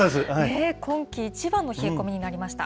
今季一番の冷え込みになりました。